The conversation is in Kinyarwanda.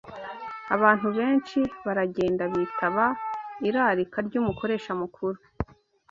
Abantu benshi baragenda bitaba irarika ry’Umukoresha Mukuru